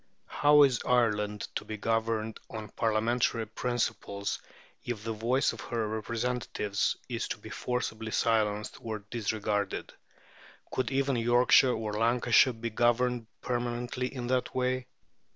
How is Ireland to be governed on Parliamentary principles if the voice of her representatives is to be forcibly silenced or disregarded? Could even Yorkshire or Lancashire be governed permanently in that way?